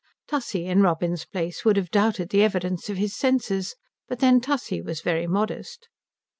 Tussie in Robin's place would have doubted the evidence of his senses, but then Tussie was very modest.